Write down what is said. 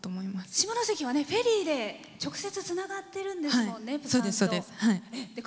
下関はフェリーで直接つながってるんですよね。